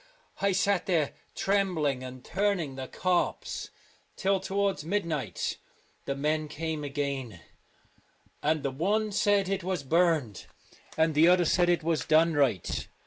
I sat there trembling and turning the corpse till towards mid night. The men came again, and the one said it was burnt, and the other said it was done right.